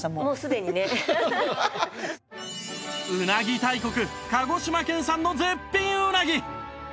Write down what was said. うなぎ大国鹿児島県産の絶品うなぎ！